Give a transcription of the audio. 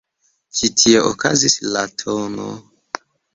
Ĉi tie okazis la tn.